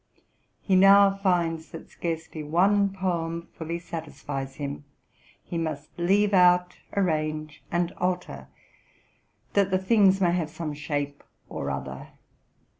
He now finds, that scarcely one poem fully satisfies him: he must leave out, arrange, and alter, that the things may have some shape or other.